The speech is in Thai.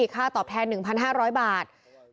ค่าตอบแทน๑๕๐๐บาท